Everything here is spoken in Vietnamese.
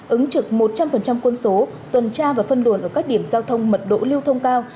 ứng trực một trăm linh quân số tuần tra và phân đồn ở các điểm giao thông mật độ lưu thông cao